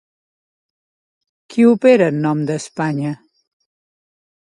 Qui opera en nom d'Espanya?